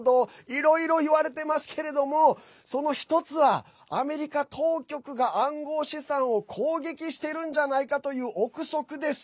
いろいろ、いわれてますけれどもその一つはアメリカ当局が暗号資産を攻撃してるんじゃないかという憶測です。